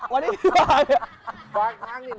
วันนี้ที่มาเนี่ย